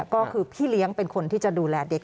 ก็คือพี่เลี้ยงเป็นคนที่จะดูแลเด็ก